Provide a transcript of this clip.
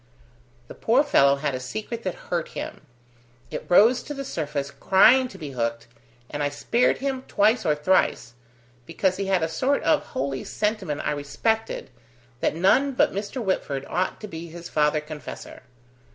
"The poor fellow had a secret that hurt him. It rose to the surface crying to be hooked, and I spared him twice or thrice, because he had a sort of holy sentiment I respected, that none but Mr. Whitford ought to be his father confessor."